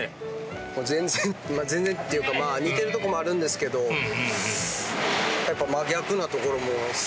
全然全然っていうか似てるとこもあるんですけどやっぱ真逆なところもすごく多いですね。